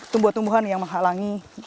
tumbuhan tumbuhan yang menghalangi jalan jalan ini